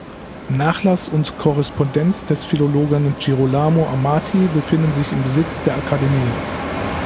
Nachlass und Korrespondenz des Philologen Girolamo Amati befinden sich im Besitz der Akademie.